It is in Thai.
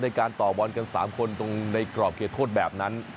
ในการต่อบอลกัน๓คนตรงในกรอบเขตโทษแบบนั้น